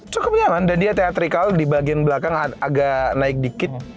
cukup nyaman dan dia teatrikal di bagian belakang agak naik dikit